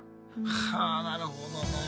はあなるほどな。